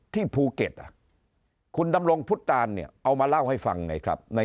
ที่ภูเก็ตคุณดำรงพุทธตานเนี่ยเอามาเล่าให้ฟังไงครับ